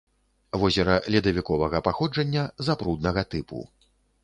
Возера ледавіковага паходжання, запруднага тыпу.